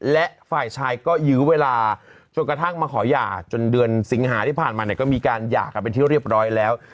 และฝ่ายชายก็ยื้อเวลาจนกระทั่งมาขอหย่าจนเดือนสิงหาที่ผ่านมาเนี่ยก็มีการหย่ากันเป็นที่เรียบร้อยแล้ว